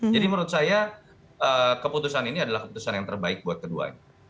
jadi menurut saya keputusan ini adalah keputusan yang terbaik buat keduanya